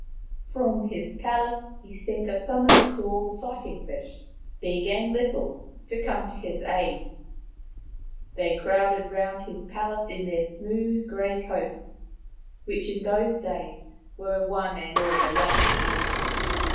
From his palace he sent a summons to all fighting fish, big and little, to come to his aid. They crowded round his palace in their smooth grey coats, which in those days were one and all alike.